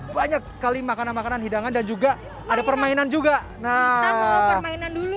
banyak sekali makanan makanan hidangan dan juga ada permainan juga nah permainan dulu